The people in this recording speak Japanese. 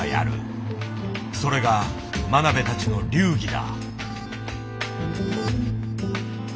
それが真鍋たちの流儀だ。